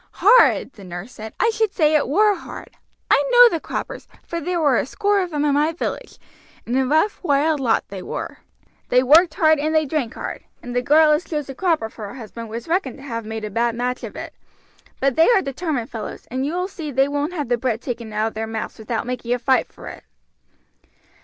"Hard!" the nurse said. "I should say it were hard. I know the croppers, for there were a score of them in my village, and a rough, wild lot they were. They worked hard and they drank hard, and the girl as chose a cropper for a husband was reckoned to have made a bad match of it; but they are determined fellows, and you will see they won't have the bread taken out of their mouths without making a fight for it."